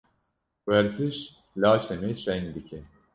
Werziş, laşê me şeng dike.